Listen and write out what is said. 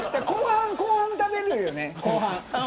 後半に食べるよね。